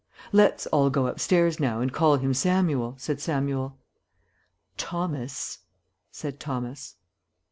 "Let's all go upstairs now and call him Samuel," said Samuel. "Thomas," said Thomas.